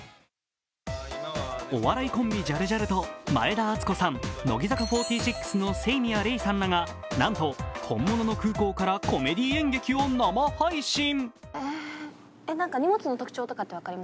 お笑いコンビ、ジャルジャルと乃木坂４６の清宮レイさんらがなんと本物の空港からコメディー演劇を生配信。